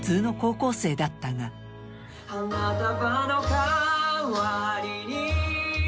花束のかわりに